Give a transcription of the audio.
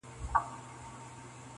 ځي تر قصابانو په مالدار اعتبار مه کوه-